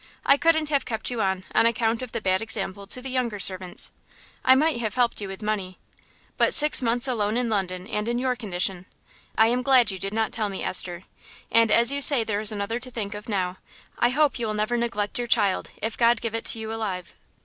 I couldn't have kept you on, on account of the bad example to the younger servants. I might have helped you with money. But six months alone in London and in your condition! ...I am glad you did not tell me, Esther; and as you say there is another to think of now, I hope you will never neglect your child, if God give it to you alive."